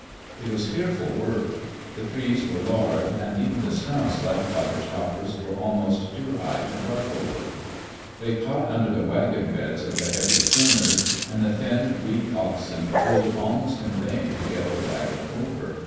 It was fearful work. The trees were large, and even the stumps left by the choppers were almost too high to [17a] Digitized by CjOOQ IC THROUGH THE NACHESS PASS drive over. They caught under the wagon beds of the heavy schooners, and the thin, weak oxen pulled almost in vain to get the wagon over.